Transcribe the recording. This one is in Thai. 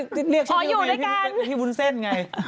ก็วันนั้นเรียกฉันเรียกพี่วุ้นเส้นไง